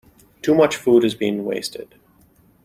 Too much food is being wasted.